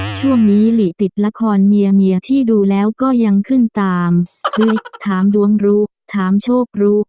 ช่วงนี้หลีติดละครเมียเมียที่ดูแล้วก็ยังขึ้นตามหรือถามดวงรู้ถามโชครู้